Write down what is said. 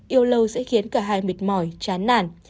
yêu lâu sẽ khiến cả hai mệt mỏi chán nản